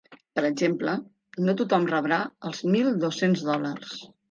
Per exemple, no tothom rebrà els mil dos-cents dòlars.